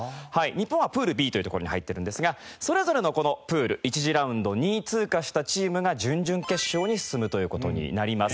日本はＰＯＯＬＢというところに入ってるんですがそれぞれのこのＰＯＯＬ１次ラウンド２位通過したチームが準々決勝に進むという事になります。